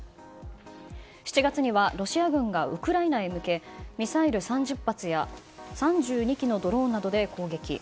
７月にはロシア軍がウクライナへ向けミサイル３０発や３２機のドローンなどで攻撃。